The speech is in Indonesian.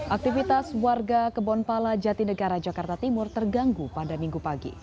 aktivitas warga kebonpala jatinegara jakarta timur terganggu pada minggu pagi